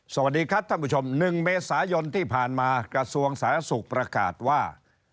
สวัสดีครับท่านผู้ชม๑เมษายนที่ผ่านมากระทรวงสาธารณสุขประกาศว่า